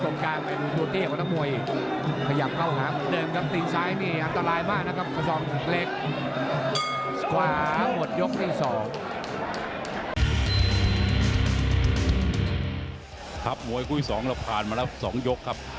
มวยคุยสองแล้วผ่านมาแล้วสองยกครับ